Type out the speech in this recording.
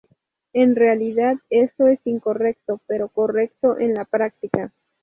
En realidad, esto es incorrecto, pero correcto en la práctica.